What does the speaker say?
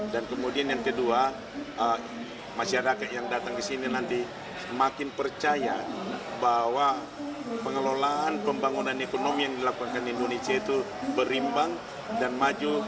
dan kemudian yang kedua masyarakat yang datang ke sini nanti semakin percaya bahwa pengelolaan pembangunan ekonomi yang dilakukan indonesia itu berimbang dan maju